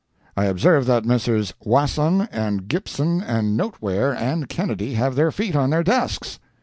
I observe that Messrs. Wasson and Gibson and Noteware and Kennedy have their feet on their desks.